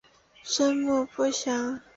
生母不详。